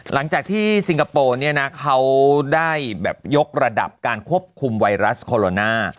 หลังจากที่ซิงคโปร์เนี่ยนะเขาได้แบบยกระดับการควบคุมไวรัสโคโรนา